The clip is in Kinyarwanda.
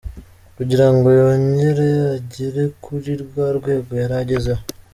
Kugira ngo yongere agree kuri rwa rwego yari agezeho".